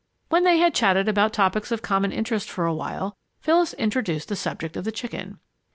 When they had chatted about topics of common interest for a while, Phyllis introduced the subject of the chicken.